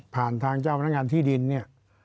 ทางเจ้าพนักงานที่ดินเนี่ย